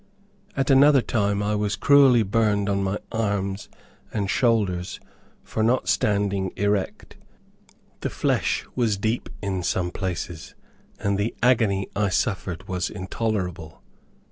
At another time I was cruelly burned on my arms and shoulders for not standing erect. The flesh was deep in some places, and the agony I suffered was intolerable.